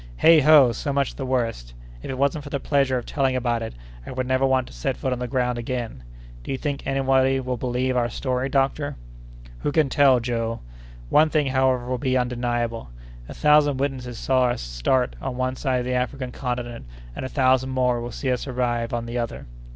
"Heigh ho! so much the worse. If it wasn't for the pleasure of telling about it, I would never want to set foot on the ground again! Do you think anybody will believe our story, doctor?" "Who can tell, Joe? One thing, however, will be undeniable: a thousand witnesses saw us start on one side of the African Continent, and a thousand more will see us arrive on the other."